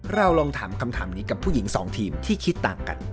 เราลองถามคำถามนี้กับผู้หญิงสองทีมที่คิดต่างกัน